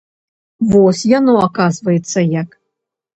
Вось яно, аказваецца, як!